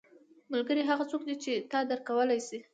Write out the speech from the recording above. • ملګری هغه څوک دی چې تا درک کولی شي.